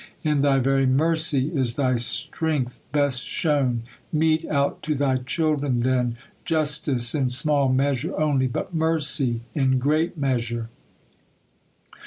In Thy very mercy is Thy strength best shown. Mete out to Thy children, then, justice in small measure only, but mercy in great measure."